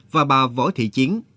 và bà võ thị chiến